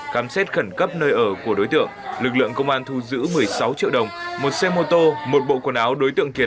khám xét khẩn cấp nơi ở của đối tượng lực lượng công an thu giữ một mươi sáu triệu đồng một xe mô tô một bộ quần áo đối tượng kiệt